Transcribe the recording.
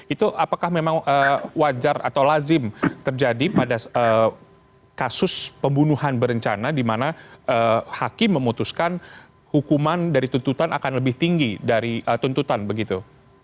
itu apakah memang wajar atau lazim terjadi pada kasus pembunuhan berencana di mana hakim memutuskan hukuman dari tuntutan akan lebih tinggi dari tuntutan begitu